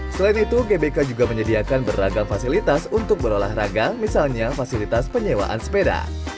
selain itu gbk juga menyediakan beragam fasilitas untuk berolahraga misalnya fasilitas penyewaan sepeda